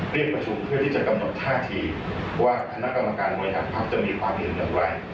เรียกประชุมเพื่อที่จะกำหนดท่าทีว่าคณะกรรมการบริหารภักดิ์จะมีความเห็นอย่างไร